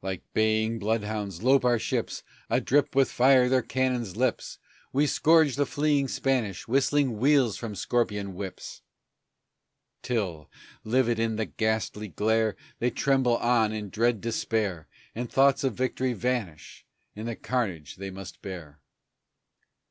Like baying bloodhounds lope our ships, Adrip with fire their cannons' lips; We scourge the fleeing Spanish, whistling weals from scorpion whips; Till, livid in the ghastly glare, They tremble on in dread despair, And thoughts of victory vanish in the carnage they must bear.